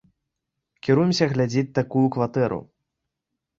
Кіруемся глядзець такую кватэру.